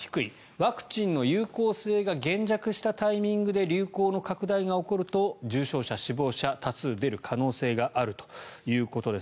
ワクチンの有効性が減弱したタイミングで流行の拡大が起こると重症者、死亡者多数出る可能性があるということです。